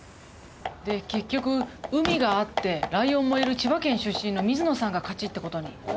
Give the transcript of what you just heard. で結局海があってライオンもいる千葉県出身の水野さんが勝ちって事に。